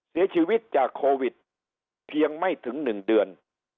เสียชีวิตจากโควิดเพียงไม่ถึง๑เดือน